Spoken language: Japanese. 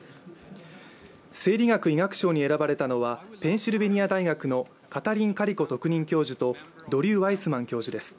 生理学医学賞に選ばれたのはペンシルベニア大学のカタリン・カリコ特任教授とドリュー・ワイスマン教授です。